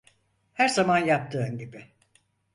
Her zaman yaptığın gibi.